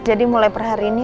jadi mulai per hari ini